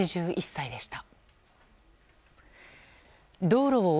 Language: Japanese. ８１歳でした。